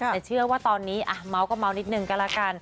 แต่เชื่อว่าตอนนี้อ่ะมามก็ม้อนิดนึงก็เอละกัน